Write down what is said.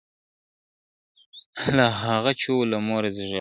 له هغه چي وو له موره زېږېدلی `